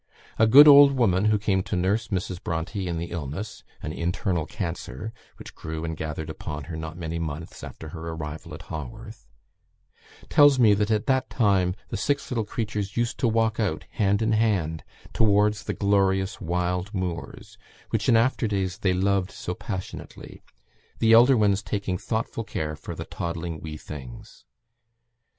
A good old woman, who came to nurse Mrs. Bronte in the illness an internal cancer which grew and gathered upon her, not many months after her arrival at Haworth, tells me that at that time the six little creatures used to walk out, hand in hand, towards the glorious wild moors, which in after days they loved so passionately; the elder ones taking thoughtful care for the toddling wee things.